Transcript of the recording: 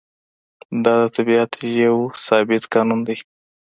دا د طبیعت یو ثابت قانون دی.